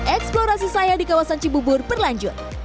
eksplorasi saya di kawasan cibubur berlanjut